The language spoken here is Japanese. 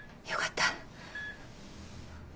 よかった。